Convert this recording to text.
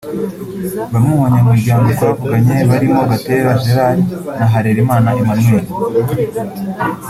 Bamwe mu banyamuryango twavuganye barimo Gatera Gerard na Harerimana Emmanuel